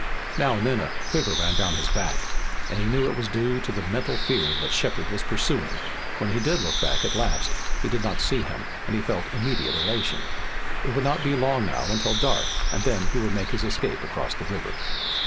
Now and then a quiver ran down his back, and he knew it was due to the mental fear that Shepard was pursuing. When he did look back at last he did not see him, and he felt immediate elation. It would not be long now until dark, and then he would make his escape across the river.